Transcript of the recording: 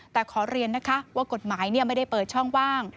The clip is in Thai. แต่ขอเรียนนะคะว่ากฎหมายไม่ได้เปิดช่องว่าง